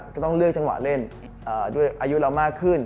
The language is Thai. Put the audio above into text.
ก็ต้องเลือกจังหวะเล่นด้วยอายุเรามากขึ้น